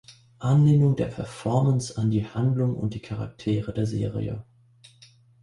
Anlehnung der Performance an die Handlung und die Charaktere der Serie.